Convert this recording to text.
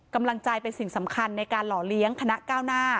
กำลังใจเป็นสิ่งสำคัญในการหล่อเลี้ยงคณะก้าวหน้า